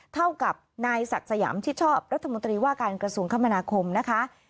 เท่ากับนายศักดิ์สยามชิดชอบรัฐมนตรีว่าการกระทรวงคมนาคมนะคะ